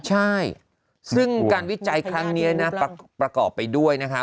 ใช่ซึ่งการวิจัยครั้งนี้นะประกอบไปด้วยนะคะ